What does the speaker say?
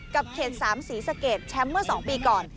เขต๓ศรีสะเกดแชมป์เมื่อ๒ปีก่อน